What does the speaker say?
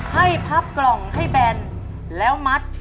พับกล่องให้แบนแล้วมัด